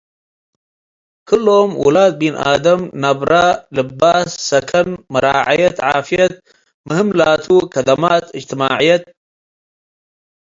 ክሎም ውላድ ሚንኣደም ነብረ፡ ልባስ፡ ሰከን፡ መራዓየት ዓፍየት፡ ምህም ላቱ ከደማት እጅትማዕየት